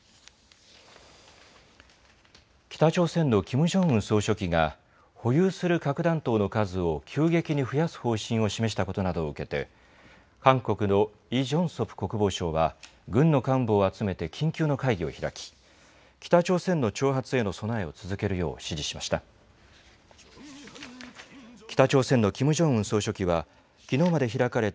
北朝鮮のキム・ジョンウン総書記が、保有する核弾頭の数を急激に増やす方針を示したことなどを受けて韓国のイ・ジョンソプ国防相は軍の幹部を集めて緊急の会議を開き、北朝鮮の挑発への備えを続けるよう指示しました。